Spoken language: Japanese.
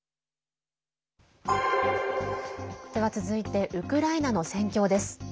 続いて、ウクライナの戦況です。